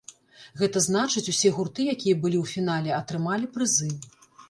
Гэта значыць, усе гурты, якія былі ў фінале, атрымалі прызы.